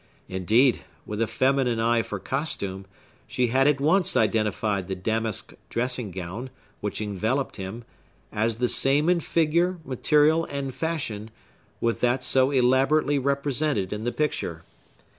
Indeed, with a feminine eye for costume, she had at once identified the damask dressing gown, which enveloped him, as the same in figure, material, and fashion, with that so elaborately represented in the picture.